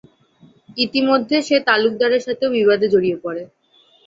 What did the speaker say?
ইতিমধ্যে সে তালুকদারের সাথেও বিবাদে জড়িয়ে পরে।